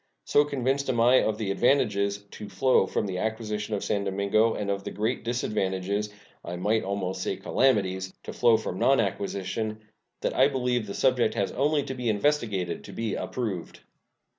So convinced am I of the advantages to flow from the acquisition of San Domingo, and of the great disadvantages I might almost say calamities to flow from nonacquisition, that I believe the subject has only to be investigated to be approved.